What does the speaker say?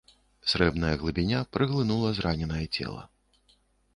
Срэбная глыбіня праглынула зраненае цела.